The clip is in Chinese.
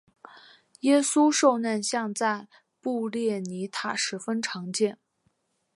耶稣受难像在布列尼塔十分常见。